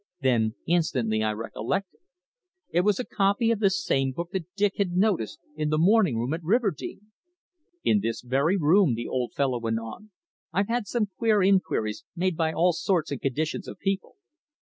Then instantly I recollected. It was a copy of this same book that Dick had noticed in the morning room at Riverdene. "In this very room," the old fellow went on, "I've had some queer inquiries made by all sorts and conditions of people.